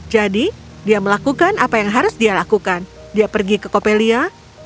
jadi dia melakukan apa yang harus dia lakukan dia pergi ke coppelia